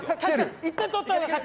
１点取ったら勝ち。